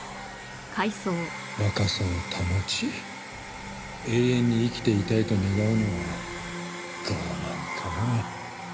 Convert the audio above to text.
若さを保ち永遠に生きていたいと願うのは傲慢かな？